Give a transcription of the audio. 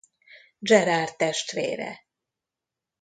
Gerard testvére.